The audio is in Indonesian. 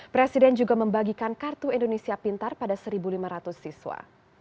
presiden juga membagikan kartu indonesia pintar pada satu lima ratus siswa